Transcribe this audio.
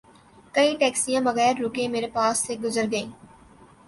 کئی ٹیکسیاں بغیر رکے میر پاس سے گزر گئیں